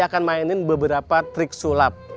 saya akan mainin beberapa trik sulap